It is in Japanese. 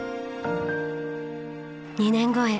２年後へ。